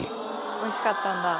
おいしかったんだ。